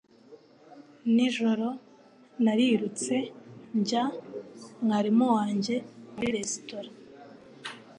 Nijoro narirutse njya mwarimu wanjye muri resitora